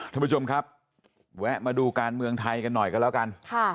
ท่านผู้ชมครับแวะมาดูการเมืองไทยกันหน่อยกันแล้วกัน